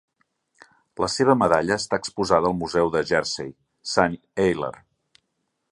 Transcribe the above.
La seva medalla està exposada al Museu de Jersey, Sant Helier.